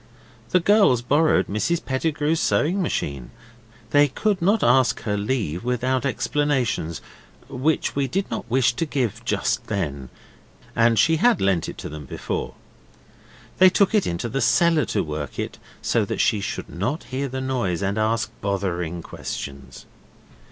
The girls borrowed Mrs Pettigrew's sewing machine; they could not ask her leave without explanations, which we did not wish to give just then, and she had lent it to them before. They took it into the cellar to work it, so that she should not hear the noise and ask bothering questions.